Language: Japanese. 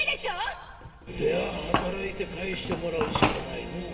では働いて返してもらうしかないな。